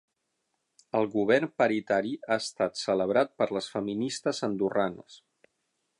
El govern paritari ha estat celebrat per les feministes andorranes